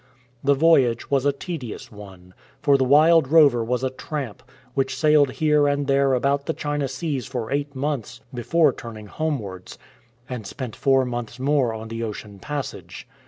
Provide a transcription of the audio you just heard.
The voyage was a tedious one, for the Wild Rover was a "tramp," which sailed here and there about the China seas for eight months before turn ing homewards, and spent four months more on the ocean passage.